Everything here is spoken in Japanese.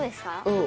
うん。